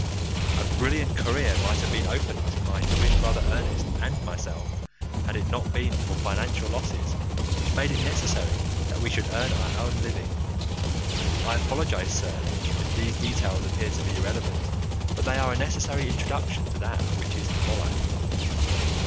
A brilliant career might have been open to my twin brother Ernest and myself had it not been for financial losses which made it necessary that we should earn our own living. I apologize, sir, if these details appear to be irrelevant, but they are a necessary introduction to that which is to follow.